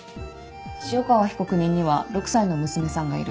潮川被告人には６歳の娘さんがいる。